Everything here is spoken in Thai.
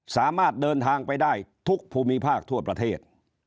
สามารถเดินทางไปได้ทุกภูมิภาคทั่วประเทศ